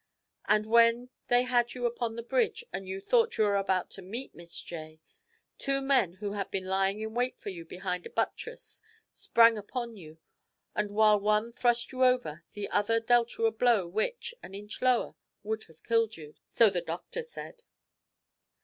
and when they had you upon the bridge and you thought you were about to meet Miss J., two men who had been lying in wait for you behind a buttress sprang upon you, and while one thrust you over, the other dealt you a blow which, an inch lower, would have killed you so the doctor has said.'